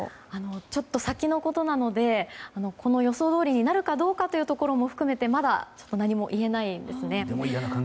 ちょっと先のことなのでこの予想どおりになるかどうかも含めてまだ何も言えないんですね。